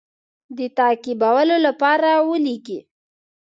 د تعقیبولو لپاره ولېږي.